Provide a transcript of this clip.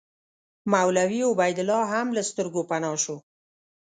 مولوي عبیدالله هم له سترګو پناه شو.